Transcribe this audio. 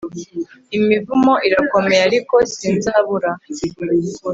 Imivumo irakomeye ariko sinzabura